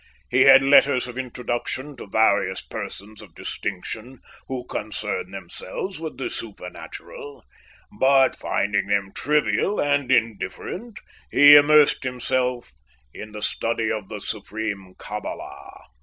He had letters of introduction to various persons of distinction who concerned themselves with the supernatural, but, finding them trivial and indifferent, he immersed himself in the study of the supreme Kabbalah.